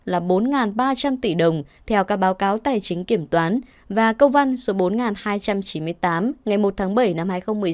là bốn ba trăm linh tỷ đồng theo các báo cáo tài chính kiểm toán và công văn số bốn nghìn hai trăm chín mươi tám ngày một tháng bảy năm hai nghìn một mươi chín